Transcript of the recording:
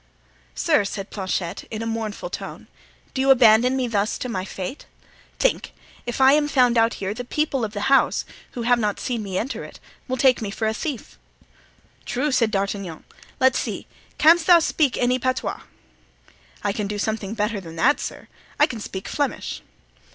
"Sir," said Planchet, in a mournful tone, "do you abandon me thus to my fate? Think, if I am found out here, the people of the house, who have not seen me enter it, will take me for a thief." "True," said D'Artagnan. "Let's see. Canst thou speak any patois?" "I can do something better than that, sir, I can speak Flemish."